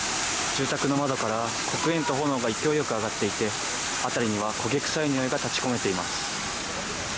住宅の窓から黒煙と炎が勢いよく上がっていて辺りには焦げ臭いにおいが立ち込めています。